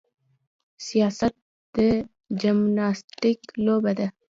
سیاست د جمناستیک لوبه ده.